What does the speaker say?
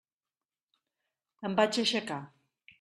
Em vaig aixecar.